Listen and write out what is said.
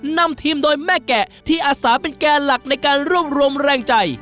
นำทีมโดยแม่แกะที่อาสาเป็นแก่หลักในการรวบรวมแรงใจ